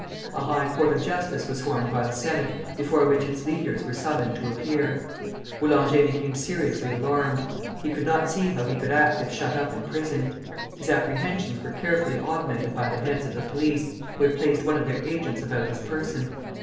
A High Court of Justice was formed by the Senate, before which its leaders were summoned to appear. Boulanger became seriously alarmed. He did not see how he could act if shut up in prison. His apprehensions were carefully augmented by the heads of the police, who had placed one of their agents about his person.